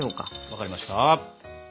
分かりました！